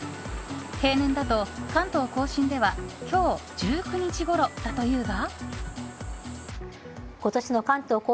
平年だと関東・甲信では今日１９日ごろだというが。